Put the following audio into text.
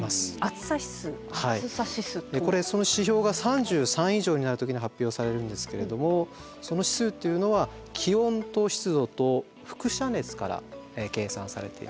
これその指標が３３以上になる時に発表されるんですけれどもその指数っていうのは気温と湿度と輻射熱から計算されています。